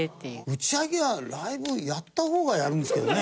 打ち上げはライブやった方がやるんですけどね。